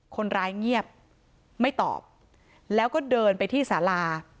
คนร้ายเงียบไม่ตอบแล้วก็เดินไปที่สารา